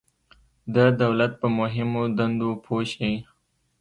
د دولت په مهمو دندو پوه شئ.